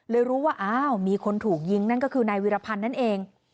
เลยรู้ว่ามีคนถูกยิงนั่นก็คือนายวิรพันนั่นเอง